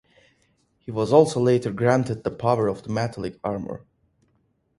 He was also later granted the power of the Metallic Armor.